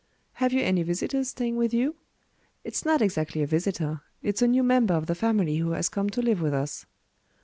"Have you any visitors staying with you?" "It's not exactly a visitor. It's a new member of the family who has come to live with us."